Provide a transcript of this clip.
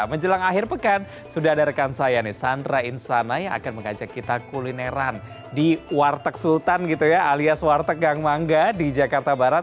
menjelang akhir pekan sudah ada rekan saya nih sandra insana yang akan mengajak kita kulineran di warteg sultan gitu ya alias warteg gang mangga di jakarta barat